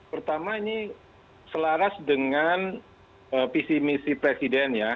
pertama ini selaras dengan visi misi presiden ya